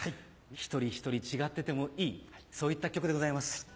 一人一人違っててもいいそういった曲でございます。